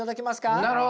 なるほど！